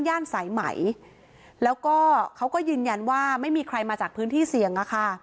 สายไหมแล้วก็เขาก็ยืนยันว่าไม่มีใครมาจากพื้นที่เสี่ยงอะค่ะ